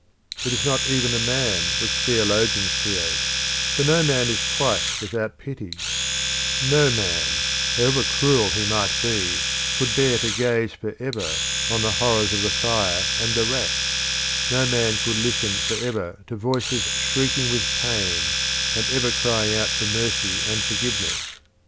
It is not even a man which theologians create; for no man is quite without pity; no man, however cruel he might be, could bear to gaze for ever on the horrors of the fire and the rack; no man could listen for ever to voices shrieking with pain, and ever crying out for mercy and forgiveness.